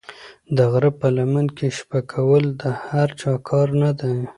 د غره په لمن کې شپه کول د هر چا کار نه دی.